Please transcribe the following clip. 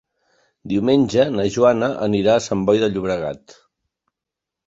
Diumenge na Joana anirà a Sant Boi de Llobregat.